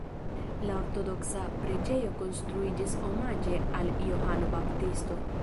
La ortodoksa preĝejo konstruiĝis omaĝe al Johano Baptisto.